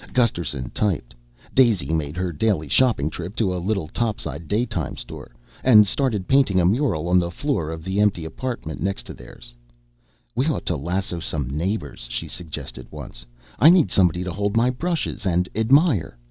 Gusterson typed. Daisy made her daily shopping trip to a little topside daytime store and started painting a mural on the floor of the empty apartment next theirs but one. "We ought to lasso some neighbors," she suggested once. "I need somebody to hold my brushes and admire.